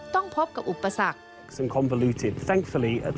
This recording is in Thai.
ต้องพบกับอุปสรรค